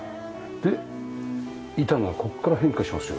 で板がここから変化しますよね？